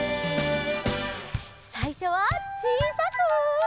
さいしょはちいさく。